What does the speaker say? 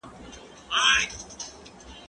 زه به سبا تمرين کوم!!